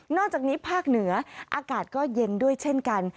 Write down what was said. อกจากนี้ภาคเหนืออากาศก็เย็นด้วยเช่นกัน